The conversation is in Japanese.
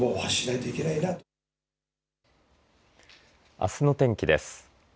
あすの天気です。